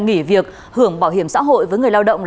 nghỉ việc hưởng bảo hiểm xã hội với người lao động là f